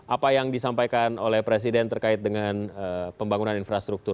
apa yang disampaikan oleh presiden terkait dengan pembangunan infrastruktur